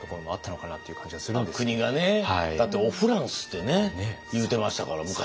だって「おフランス」ってね言うてましたから昔。